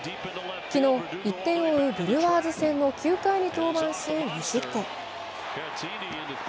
昨日、１点を追うブルワーズ戦の９回に登板し２失点。